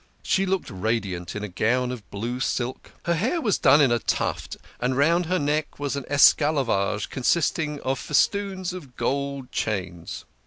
She looked radiant in a gown of blue silk ; her hair was done in a tuft and round her neck was an " esclavage," consisting of festoons of gold chains.